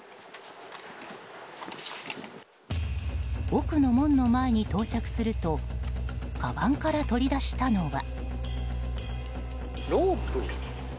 奥の門の前に到着するとかばんから取り出したのは。